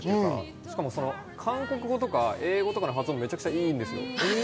しかも韓国語とか英語の発音がめちゃくちゃいいんですよ。